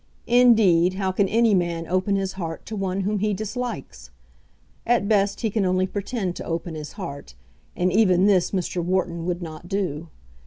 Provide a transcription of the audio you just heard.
Indeed, how can any man open his heart to one whom he dislikes? At best he can only pretend to open his heart, and even this Mr. Wharton would not do.